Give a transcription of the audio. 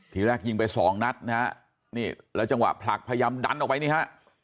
ทีแรกยิงไปสองนัดนะฮะนี่แล้วจังหวะผลักพยายามดันออกไปนี่ฮะ